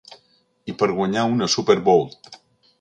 I per guanyar una Super Bowl.